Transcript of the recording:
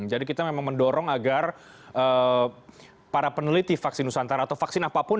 jadi kita memang mendorong agar para peneliti vaksin nusantara atau vaksin apapun